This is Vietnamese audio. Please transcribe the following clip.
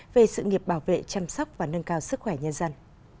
về sự nghiệp bảo vệ chăm sóc và nâng cao sức khỏe nhân dân